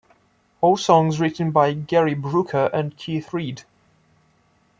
All songs written by Gary Brooker and Keith Reid.